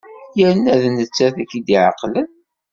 Yerna d nettat i k-d-iɛeqlen.